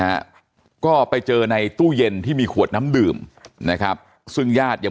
ฮะก็ไปเจอในตู้เย็นที่มีขวดน้ำดื่มนะครับซึ่งญาติยัง